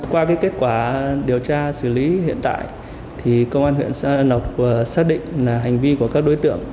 qua kết quả điều tra xử lý hiện tại công an huyện lộc vừa xác định hành vi của các đối tượng